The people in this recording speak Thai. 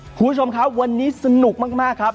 คุณผู้ชมครับวันนี้สนุกมากครับ